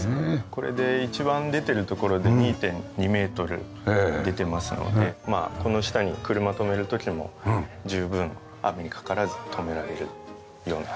これで一番出ているところで２．２メートル出てますのでまあこの下に車止める時も十分雨にかからず止められるように。